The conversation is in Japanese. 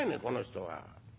この人は。